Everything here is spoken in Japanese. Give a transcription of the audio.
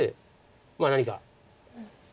まあ何か。